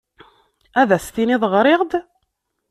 Ad as-tinid ɣriɣ-d?